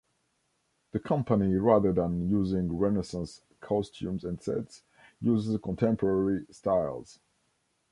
The company, rather than using Renaissance costumes and sets, uses contemporary styles.